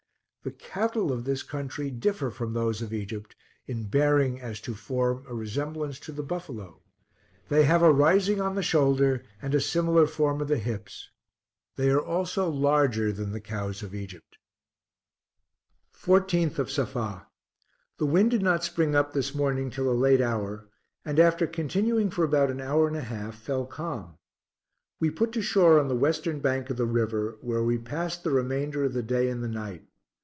The cattle of this country differ from those of Egypt, in bearing, as to form, a resemblance to the buffalo. They have a rising on the shoulder, and a similar form of the hips. They are also larger than the cows of Egypt. 14th of Safa. The wind did not spring up this morning till a late hour, and after continuing for about an hour and a half, fell calm. We put to shore on the western bank of the river, where we passed the remainder of the day and the night.